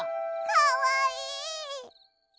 かわいい！